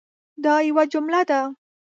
دا یوه جمله ده